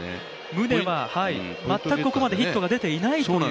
宗は全くここまでヒットが出ていません。